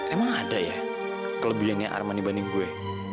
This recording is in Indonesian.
emang ada ya kelebihannya arman dibanding gue